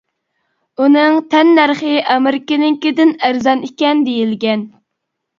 ئۇنىڭ تەننەرخى ئامېرىكىنىڭكىدىن ئەرزان ئىكەن، دېيىلگەن.